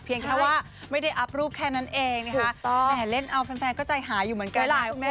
แค่ว่าไม่ได้อัพรูปแค่นั้นเองนะคะแหมเล่นเอาแฟนก็ใจหายอยู่เหมือนกันนะคุณแม่